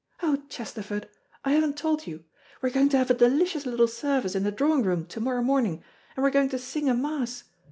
Oh, Chesterford, I haven't told you. We're going to have a delicious little service in the drawing room to morrow morning, and we are going to sing a Mass.